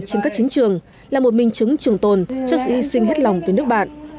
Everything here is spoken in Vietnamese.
trên các chiến trường là một minh chứng trường tồn cho sự hy sinh hết lòng với nước bạn